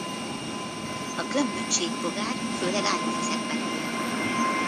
A gömb-csíkbogár főleg állóvizekben él.